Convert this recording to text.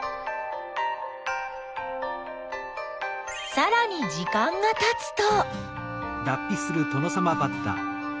さらに時間がたつと。